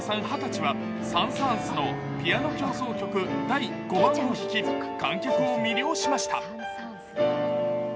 ２０歳はサン＝サーンスの「ピアノ協奏曲第５番」を弾き、観客を魅了しました。